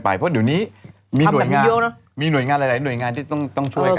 เพราะเดี๋ยวนี้มีหน่วยงานเดียวนะมีหน่วยงานหลายหน่วยงานที่ต้องช่วยกัน